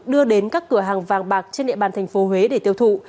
đưa đến các cửa hàng vàng bạc trên địa bàn thành phố huế để tiêu thụ